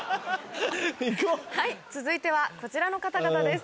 続いてはこちらの方々です。